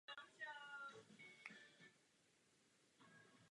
Pobyt racků byl důležitým faktorem pro rozvoj rostlin a jejich rychlejší rozšíření.